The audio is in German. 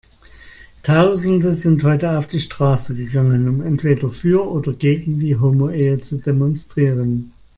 Tausende sind heute auf die Straße gegangen, um entweder für oder gegen die Homoehe zu demonstrieren.